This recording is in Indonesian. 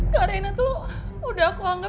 kak reina tuh udah aku anggap